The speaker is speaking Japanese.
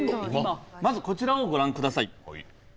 まずこちらをご覧下さい。